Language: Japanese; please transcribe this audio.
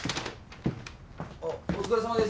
あっお疲れさまです。